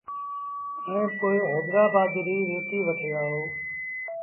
ائيٚݩ پو هيدرآبآد ريٚ ريتيٚ وٺي آئو۔